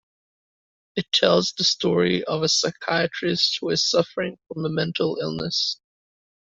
It tells the story of a psychiatrist who is suffering from a mental illness.